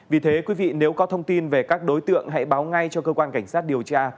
vì thế quý vị nếu có thông tin về các đối tượng hãy báo ngay cho cơ quan cảnh sát điều tra